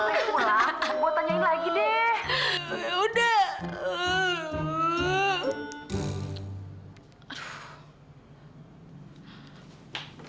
aku belom kena bersama evenral managed games